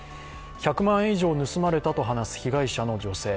１００万円以上盗まれたと話す被害者の女性。